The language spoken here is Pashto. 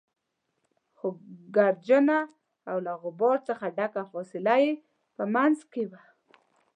خو ګردجنه او له غبار څخه ډکه فاصله يې په منځ کې وه.